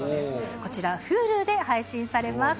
こちら、ｈｕｌｕで配信されます。